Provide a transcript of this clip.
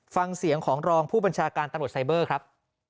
ฟังเสียงของรองผู้บัญชาการตำรวจไซเบอร์ครับ